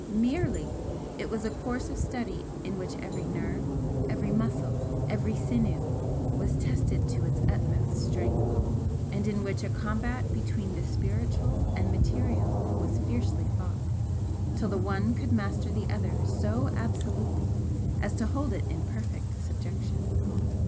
Merely! It was a course of study in which every nerve, every muscle, every sinew was tested to its utmost strength and in which a combat between the spiritual and material was fiercely fought till the one could master the other so absolutely as to hold it in perfect subjection.